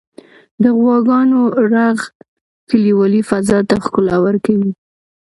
• د غواګانو ږغ کلیوالي فضا ته ښکلا ورکوي.